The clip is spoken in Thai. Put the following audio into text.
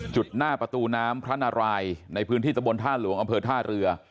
หน้าประตูน้ำพระนารายในพื้นที่ตะบนท่าหลวงอำเภอท่าเรือ